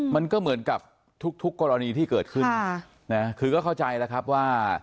มันก็เหมือนกับทุกกรณีที่เกิดขึ้นคือก็เข้าใจแล้วครับว่า